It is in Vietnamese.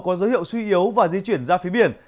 có dấu hiệu suy yếu và di chuyển ra phía biển